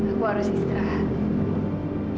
aku harus istirahat